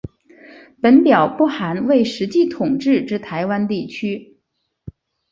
本表不含未实际统治之台湾地区。